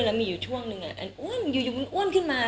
แล้วมีอยู่ช่วงหนึ่งอันอ้วนอยู่มันอ้วนขึ้นมา